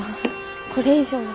これ以上は。